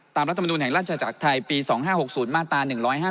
รัฐมนุนแห่งราชจักรไทยปี๒๕๖๐มาตรา๑๕